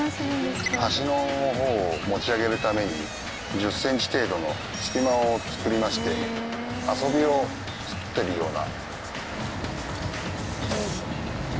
端の方を持ち上げるために１０センチ程度の隙間を作りまして遊びを作っているような。